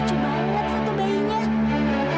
kamu tuh malah marah sih